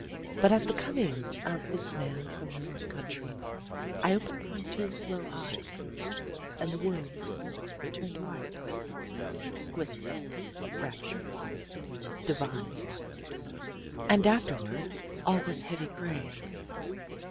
"But at the coming of this man from the north country I opened my two sloe eyes, and the world turned white exquisite, rapturous, divine white. "And afterward all was heavy gray.